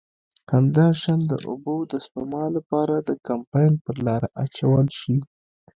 همداشان د اوبو د سپما له پاره د کمپاین پر لاره واچول شي.